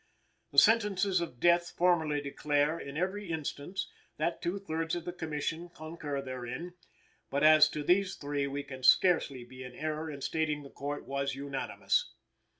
The sentences of death formally declare in every instance that two thirds of the Commission concur therein, but, as to these three, we can scarcely be in error in stating the Court was unanimous.